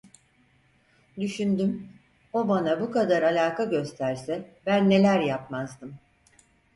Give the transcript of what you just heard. Düşündüm: O bana bu kadar alaka gösterse ben neler yapmazdım?